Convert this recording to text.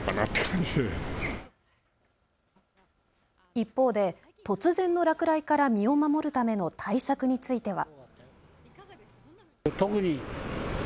一方で突然の落雷から身を守るための対策については。